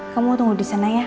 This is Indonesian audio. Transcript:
kamu tunggu disana ya